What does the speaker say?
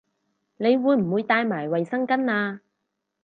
你會唔會帶埋衛生巾吖